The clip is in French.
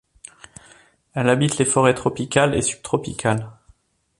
Elle habite les forêts tropicales et subtropicales.